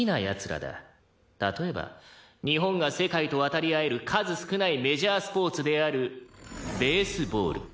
例えば日本が世界と渡り合える数少ないメジャースポーツであるベースボール。